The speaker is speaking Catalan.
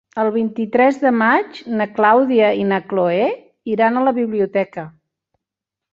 El vint-i-tres de maig na Clàudia i na Cloè iran a la biblioteca.